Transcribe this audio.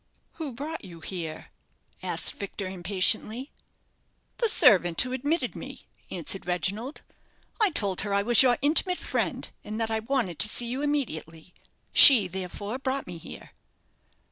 "Who brought you here?" asked Victor, impatiently. "The servant who admitted me," answered Reginald. "I told her I was your intimate friend, and that I wanted to see you immediately. She therefore brought me here."